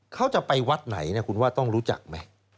เขาจะไปวัดไหนนะคุณว่าต้องรู้จักไหม